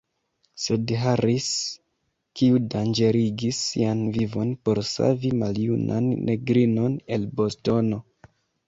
Sed Harris, kiu danĝerigis sian vivon por savi maljunan negrinon el Boston!